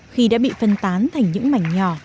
khi đã bị phân tán thành những mảnh nhỏ